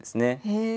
へえ。